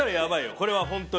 これは本当に。